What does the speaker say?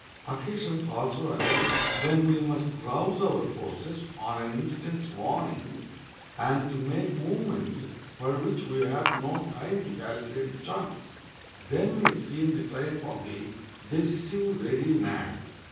Occasions also arise when we must rouse our forces on an instant's warning, and to make movements for which we have no time to calculate the chances. Then is seen the triumph of the decisive, ready man.